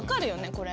これ。